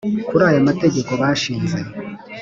kuri aya mategeko bashinze